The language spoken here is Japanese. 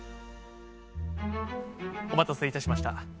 お待たせいたしました。